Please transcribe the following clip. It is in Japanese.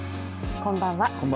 こんばんは。